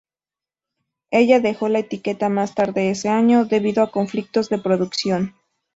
Ella dejó la etiqueta más tarde ese año, debido a conflictos de producción.